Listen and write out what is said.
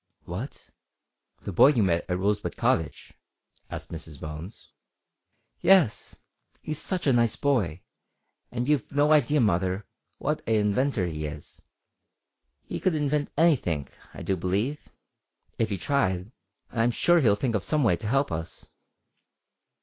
"What! the boy you met at Rosebud Cottage?" asked Mrs Bones. "Yes. He's such a nice boy, and you've no idea, mother, what a inventor he is. He could invent anythink, I do believe if he tried, and I'm sure he'll think of some way to help us."